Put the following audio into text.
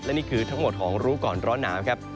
นี่คือทั้งหมดของรู้ก่อนร้อนหนาวครับ